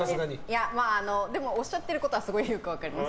でもおっしゃってることはすごいよく分かります。